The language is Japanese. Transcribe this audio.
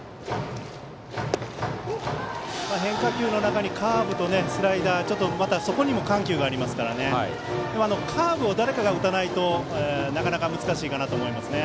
変化球の中にカーブとスライダーちょっとまたそこにも緩急があるのでカーブを誰かが打たないとなかなか難しいと思いますね。